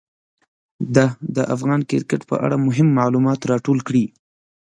ده د افغان کرکټ په اړه مهم معلومات راټول کړي.